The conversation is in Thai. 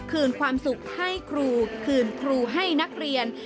คืนความสุขให้ครูคืนครูให้นักเรียน